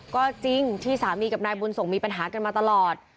ก็จริงที่สามีกับนายบุญส่งมีปัญหากันมาตลอด